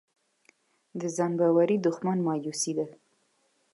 د ځان باورۍ دښمن مایوسي ده.